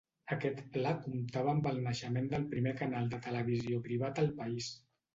Aquest Pla comptava amb el naixement del primer canal de televisió privat al país.